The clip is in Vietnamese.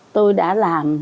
tôi đã làm